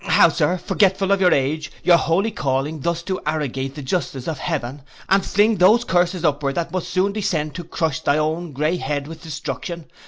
How, Sir, forgetful of your age, your holy calling, thus to arrogate the justice of heaven, and fling those curses upward that must soon descend to crush thy own grey head with destruction!